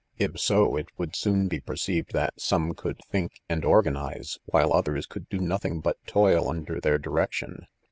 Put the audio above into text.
' If s% fe "would soon 'be 'perceived that 'ssme could think., and organisey white •others eoiild do nothing but toil' raider their direction.